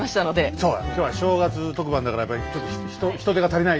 そうだ今日は正月特番だからやっぱり人手が足りない。